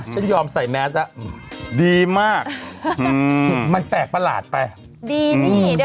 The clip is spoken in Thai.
ฉันยอมใส่แมสอ่ะดีมากมันแปลกประหลาดไปดีนี่